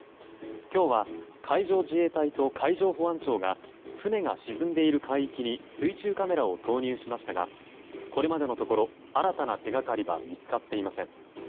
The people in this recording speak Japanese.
今日は海上自衛隊と海上保安庁が船が沈んでいる海域に水中カメラを投入しましたがこれまでのところ新たな手掛かりは見つかっていません。